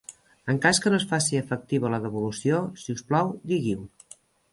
En cas que no es faci efectiva la devolució, si us plau digui-ho.